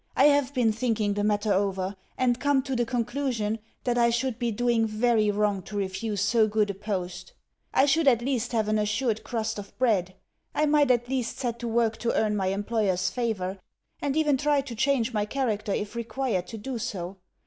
I have been thinking the matter over, and come to the conclusion that I should be doing very wrong to refuse so good a post. I should at least have an assured crust of bread; I might at least set to work to earn my employers' favour, and even try to change my character if required to do so.